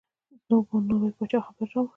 نوي پاچا خبر راووړ.